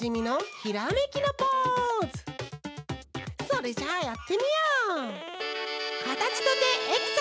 それじゃあやってみよう！